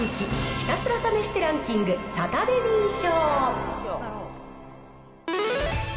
ひたすら試してランキングサタデミー賞。